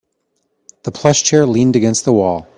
The plush chair leaned against the wall.